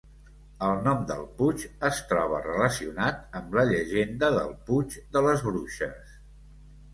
El nom del puig es troba relacionat amb la llegenda del puig de les Bruixes.